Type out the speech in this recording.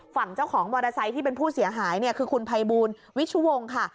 ฝั่งเจ้าของมอเตอร์ไซค์ที่เป็นผู้เสียหายเนี่ยคือคุณภัยบูลวิชวงศ์ค่ะ